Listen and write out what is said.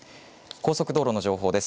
高速道路の情報です。